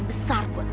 besar buat abang